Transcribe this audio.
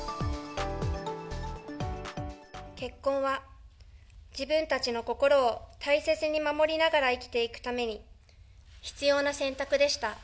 結婚は、自分たちの心を大切に守りながら生きていくために必要な選択でし